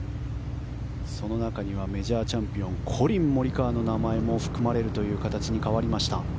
その中にはメジャーチャンピオンコリン・モリカワの名前も含まれる形に変わりました。